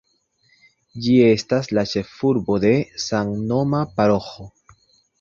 Ĝi estas la ĉefurbo de samnoma paroĥo.